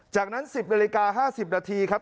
จากนั้น๑๐นาฬิกา๕๐นาทีครับ